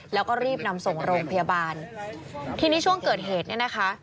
แล้วก็รีบนำส่งโรงพยาบาลทีนี้ช่วงเกิดเหตุเนี่ยนะคะ